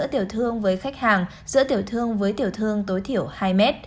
tiểu thương với khách hàng giữ tiểu thương với tiểu thương tối thiểu hai m